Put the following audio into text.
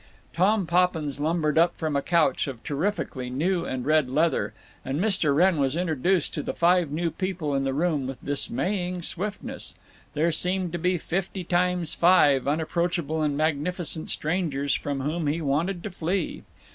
Tom Poppins lumbered up from a couch of terrifically new and red leather, and Mr. Wrenn was introduced to the five new people in the room with dismaying swiftness. There seemed to be fifty times five unapproachable and magnificent strangers from whom he wanted to flee.